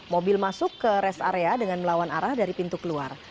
mobil masuk ke rest area dengan melawan arah dari pintu keluar